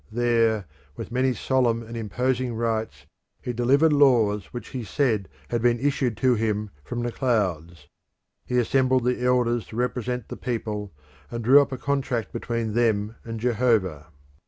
There with many solemn and imposing rites he delivered laws which he said had been issued to him from the clouds. He assembled the elders to represent the people, and drew up a contract between them and Jehovah.